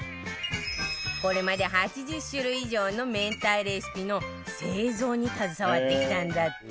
これまで８０種類以上の明太レシピの製造に携わってきたんだって